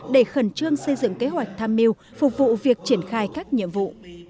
để khẩn trương xây dựng kế hoạch tham mưu phục vụ việc triển khai các nhiệm vụ